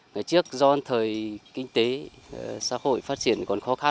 ngày trước do thời kinh tế xã hội phát triển còn khó khăn